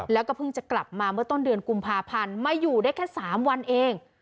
แล้วก็เพิ่งจะกลับมาเมื่อต้นเดือนกุมภาพันธ์มาอยู่ได้แค่๓วันเอง